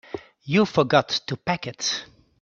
You forgot to pack it.